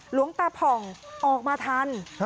หลวงตาผ่องออกมาทัน